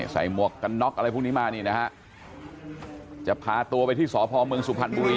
หมวกกันน็อกอะไรพวกนี้มานี่นะฮะจะพาตัวไปที่สพเมืองสุพรรณบุรี